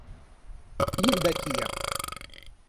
Евдокия